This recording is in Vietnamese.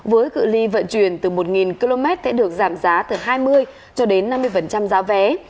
với cự li vận chuyển từ một km sẽ được giảm giá từ hai mươi cho đến năm mươi giá vé